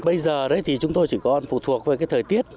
bây giờ thì chúng tôi chỉ còn phụ thuộc với cái thời tiết